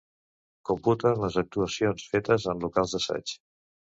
Computen les actuacions fetes en locals d'assaig.